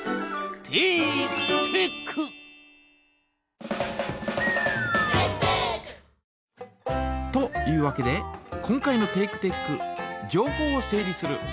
「テイクテック」！というわけで今回のテイクテック「情報を整理する」